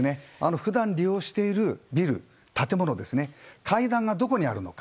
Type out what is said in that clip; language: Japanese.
普段利用しているビル建物、階段がどこにあるのか